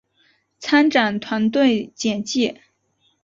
参展团队简介